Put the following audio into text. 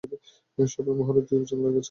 সবাই মহলের পিছনে লাগছে কেন?